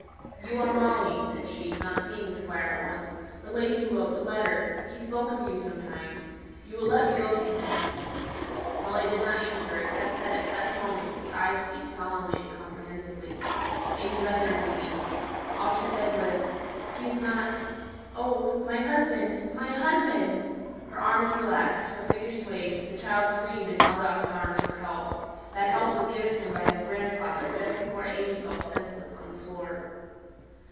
"You are Molly," said she, not seeing the Squire at once. "The lady who wrote the letter; he spoke of you sometimes. You will let me go to him." Molly did not answer, except that at such moments the eyes speak solemnly and comprehensively. AimÄe read their meaning. All she said was, "He is not oh, my husband my husband!" Her arms relaxed, her figure swayed, the child screamed and held out his arms for help. That help was given him by his grandfather, just before AimÄe fell senseless on the floor.